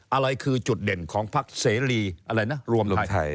อะไรคือจุดเด่นของภาคริเวศรีร์รวมไทย